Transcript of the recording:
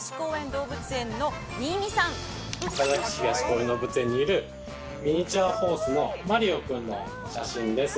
動物園にいるミニチュアホースのマリオくんの写真です